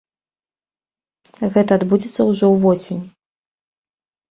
Гэта адбудзецца ўжо ўвосень.